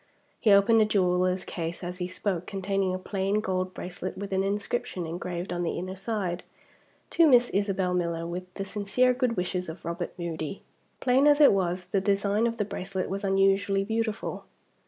He opened a jeweler's case as he spoke, containing a plain gold bracelet with an inscription engraved on the inner side: "To Miss Isabel Miller, with the sincere good wishes of Robert Moody." Plain as it was, the design of the bracelet was unusually beautiful.